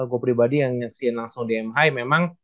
gue pribadi yang nyaksiin langsung di mhi memang